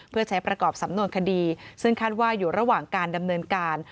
เพื่อใช้ประกอบสำนวนคดีซึ่งคาดว่าอยู่ระหว่างการดำเนินการ